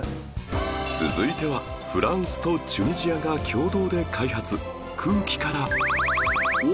続いてはフランスとチュニジアが共同で開発